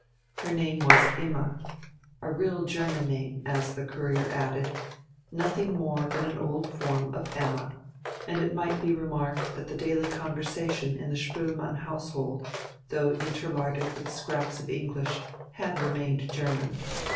Her name was Imma a real German name, as the Courier added, nothing more than an old form of "Emma," and it might be remarked that the daily conversation in the Spoelmann household, though interlarded with scraps of English, had remained German.